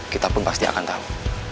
kita pun pasti akan tahu